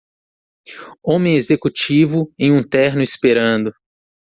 Homem executivo em um terno esperando.